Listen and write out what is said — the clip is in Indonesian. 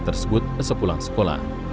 tersebut sepulang sekolah